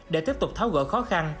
để tiếp tục tháo gỡ khó khăn